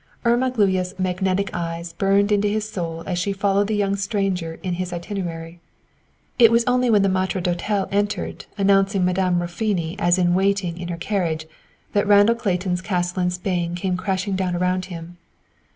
Irma Gluyas' magnetic eyes burned into his soul as she followed the young stranger in his itinerary. It was only when the maître d'hôtel entered, announcing Madame Raffoni as in waiting in her carriage, that Randall Clayton's castle in Spain came crashing down around him.